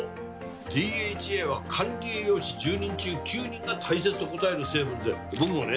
ＤＨＡは管理栄養士１０人中９人が大切と答える成分で僕もね